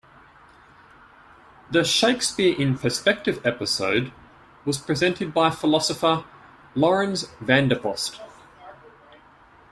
The "Shakespeare in Perspective" episode was presented by philosopher Laurens van der Post.